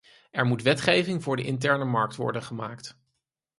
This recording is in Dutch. Er moet wetgeving voor de interne markt worden gemaakt.